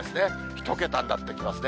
１桁になってきますね。